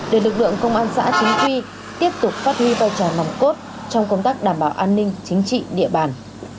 để lực lượng công an xã chính quy tiếp tục phát huy vai trò nòng cốt trong công tác đảm bảo an ninh chính trị địa bàn